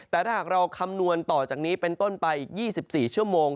แต่ถ้าหากเราคำนวณต่อจากนี้เป็นต้นไปอีก๒๔ชั่วโมง